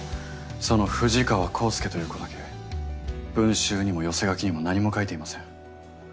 その藤川孝介という子だけ文集にも寄せ書きにも何も書いていません。